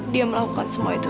dia melakukan semua itu